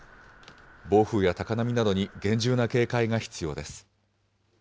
暴風や高波などに厳重な警戒が必要です。